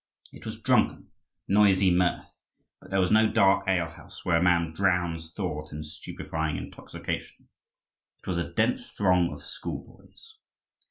It was drunken, noisy mirth; but there was no dark ale house where a man drowns thought in stupefying intoxication: it was a dense throng of schoolboys.